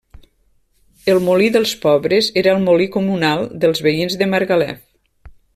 El molí dels pobres era el molí comunal dels veïns de Margalef.